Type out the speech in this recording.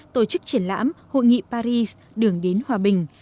tổ chức triển lãm hội nghị paris đường đến hòa bình